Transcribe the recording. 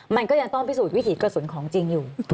มันก็ยังต้องพิสูจนวิถีกระสุนของจริงอยู่